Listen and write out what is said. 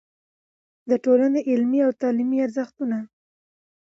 د ټولنې علمي او تعليمي ارزښتونو